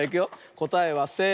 こたえはせの。